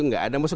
tidak ada musuh